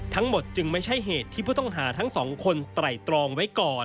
ทั้งหมดจึงไม่ใช่เหตุที่ผู้ต้องหาทั้งสองคนไตรตรองไว้ก่อน